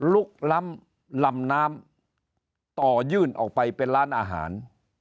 ลุกล้ำลำน้ำต่อยื่นออกไปเป็นร้านอาหาร